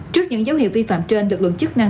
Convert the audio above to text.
trước những dấu hiệu vi phạm trên lực lượng chức năng